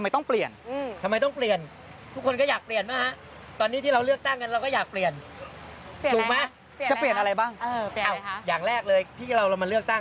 จะเปลี่ยนอะไรบ้างเออเปลี่ยนอะไรฮะอย่างแรกเลยที่เรามาเลือกตั้ง